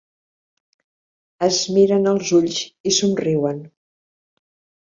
Es miren als ulls i somriuen.